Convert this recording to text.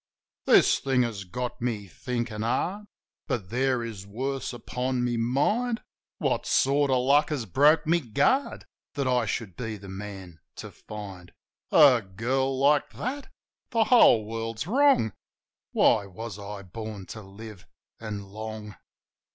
This thing has got me thinkin' hard. But there is worse upon my mind. What sort of luck has broke my guard That I should be the man to find A girl like that? ... The whole world's wrong! Why was I born to live and long?